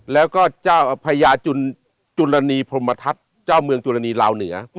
แล้วก็เจ้าพญาจุลณีพรมทัศน์เจ้าเมืองจุรณีลาวเหนือ